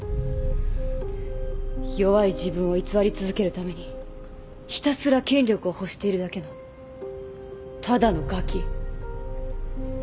弱い自分を偽り続けるためにひたすら権力を欲しているだけのただのがき。